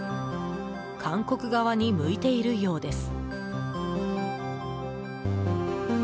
韓国側に向いているようです。